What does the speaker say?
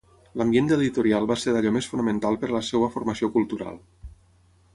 L'ambient de l'editorial va ser d'allò més fonamental per a la seua formació cultural.